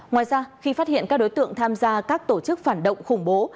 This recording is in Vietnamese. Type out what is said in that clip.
ngoài ra khi phát hiện các đối tượng tham gia các tổ chức phản động khủng bố